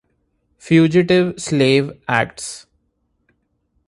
Fugitive Slave Acts.